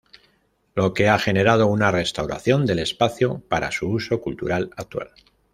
Lo que ha generado una restauración del espacio para su uso cultural actual.